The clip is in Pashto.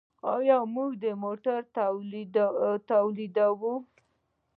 آیا موږ موټر تولیدوو؟